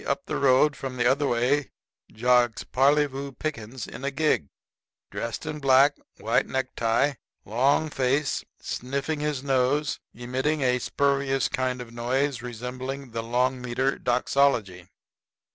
Up the road from the other way jogs Parleyvoo Pickens in a gig, dressed in black, white necktie, long face, sniffing his nose, emitting a spurious kind of noise resembling the long meter doxology.